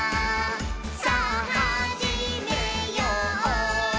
さぁはじめよう」